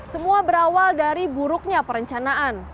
semua berawal dari buruknya perencanaan